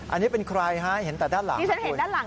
อันนี้เป็นใครเห็นแต่ด้านหลัง